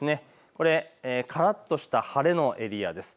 これはからっとした晴れのエリアです。